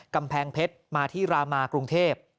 กำแพงเพชรมาที่รามากรุงเทพ